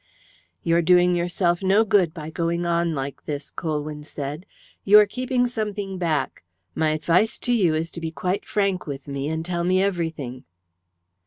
"You are doing yourself no good by going on like this," Colwyn said. "You are keeping something back. My advice to you is to be quite frank with me and tell me everything."